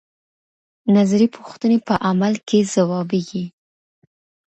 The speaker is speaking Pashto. نظري پوښتنې په عمل کې ځوابيږي.